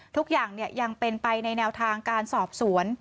ทุกอย่างยังเป็นไปในแนวทางการสอบสวน